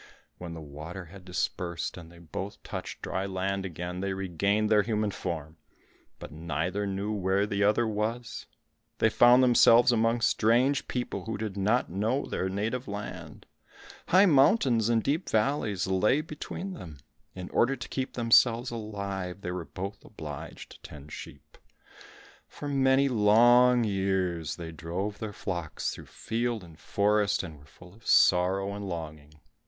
When the water had dispersed and they both touched dry land again, they regained their human form, but neither knew where the other was; they found themselves among strange people, who did not know their native land. High mountains and deep valleys lay between them. In order to keep themselves alive, they were both obliged to tend sheep. For many long years they drove their flocks through field and forest and were full of sorrow and longing.